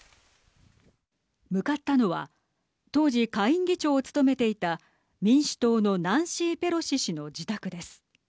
向かったのは当時、下院議長を務めていた民主党のナンシー・ペロシ氏の自宅です。